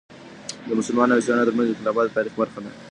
د مسلمانو او عیسویانو ترمنځ اختلافات د تاریخ برخه ده.